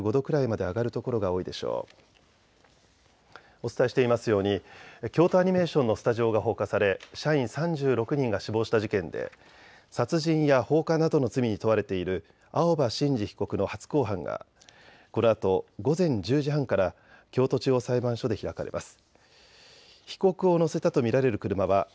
お伝えしていますように京都アニメーションのスタジオが放火され社員３６人が死亡した事件で殺人や放火などの罪に問われている青葉真司被告の初公判がこのあと午前１０時半から京都地方裁判所で開かれます。